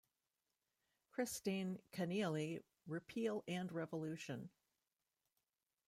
Christine Kinealy 'Repeal and Revolution.